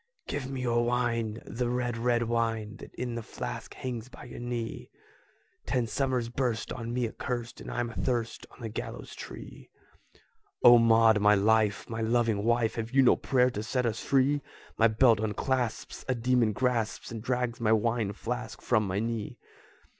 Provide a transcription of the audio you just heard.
"Give me your wine, the red, red wine, That in the flask hangs by your knee! Ten summers burst on me accurst, And I'm athirst on the gallows tree." "O Maud, my life! my loving wife! Have you no prayer to set us free? My belt unclasps, a demon grasps And drags my wine flask from my knee!"